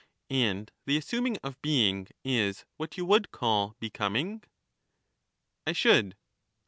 r^saxA. And the assuming of being is what you would call becoming ? I should.